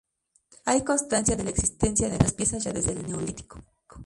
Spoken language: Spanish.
Hay constancia de la existencia de esas piezas ya desde el neolítico.